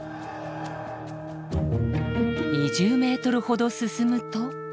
２０メートルほど進むと。